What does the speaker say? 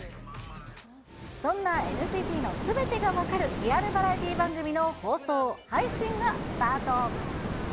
そんなＮＣＴのすべてが分かるリアルバラエティー番組の放送、配信がスタート。